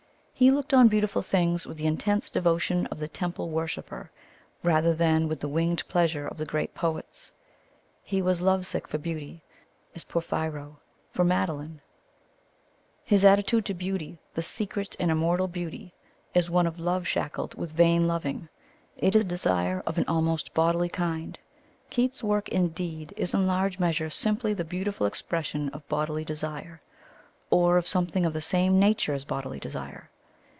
He looked on beautiful things with the intense devotion of the temple worshipper rather than with the winged pleasure of the great poets. He was love sick for beauty as Porphyro for Madeline. His attitude to beauty the secret and immortal beauty is one of "love shackled with vain loving." It is desire of an almost bodily kind. Keats's work, indeed, is in large measure simply the beautiful expression of bodily desire, or of something of the same nature as bodily desire.